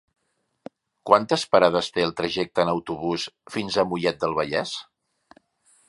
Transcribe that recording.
Quantes parades té el trajecte en autobús fins a Mollet del Vallès?